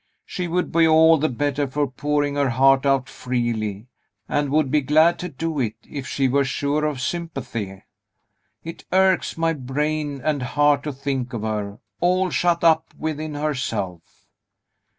she would be all the better for pouring her heart out freely, and would be glad to do it, if she were sure of sympathy. It irks my brain and heart to think of her, all shut up within herself."